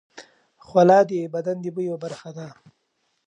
خوله د بدن د بوی یوه برخه ده.